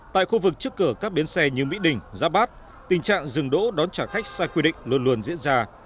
tại khu vực trước cửa các bến xe như mỹ đình giáp bát tình trạng dừng đỗ đón trả khách sai quy định luôn luôn diễn ra